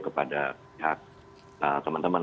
kepada pihak teman teman